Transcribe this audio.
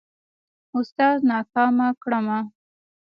اوستاذ ناکامه کړمه.